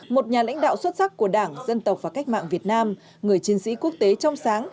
một nhà lãnh đạo xuất sắc của đảng dân tộc và cách mạng việt nam người chiến sĩ quốc tế trong sáng